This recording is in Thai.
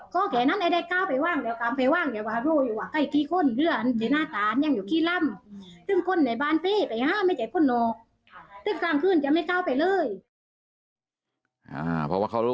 ก็แค่นั้นไอ้ได้ก้าวไปว่างแล้วกันไปว่างแกว่าร่วงอยู่ว่าใกล้ที่คน